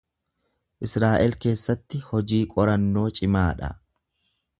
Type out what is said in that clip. Israa’el keessatti hojii qorannoo cimaa dha.